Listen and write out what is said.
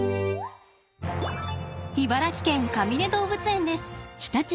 茨城県かみね動物園です。